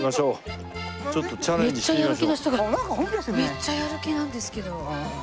めっちゃやる気なんですけど。